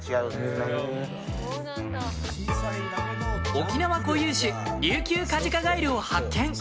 沖縄固有種リュウキュウカジカガエルを発見。